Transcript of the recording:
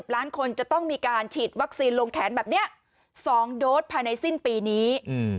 ล้านคนจะต้องมีการฉีดวัคซีนลงแขนแบบนี้๒โดสภายในสิ้นปีนี้